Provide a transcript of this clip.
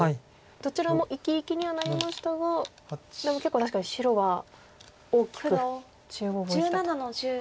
どちらも生き生きにはなりましたがでも結構確かに白は大きく中央を生きたと。